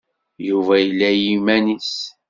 Yuba yella i yiman-nnes?